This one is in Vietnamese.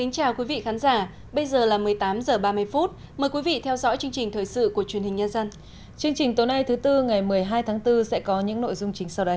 chương trình tối nay thứ tư ngày một mươi hai tháng bốn sẽ có những nội dung chính sau đây